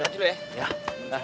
ya begitu sih